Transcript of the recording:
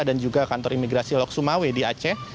dan juga kantor imigrasi lok sumawe di aceh